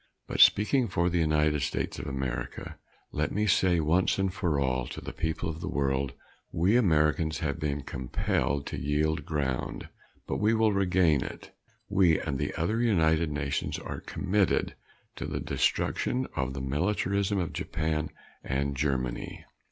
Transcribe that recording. But, speaking for the United States of America, let me say once and for all to the people of the world: We Americans have been compelled to yield ground, but we will regain it. We and the other United Nations are committed to the destruction of the militarism of Japan and Germany.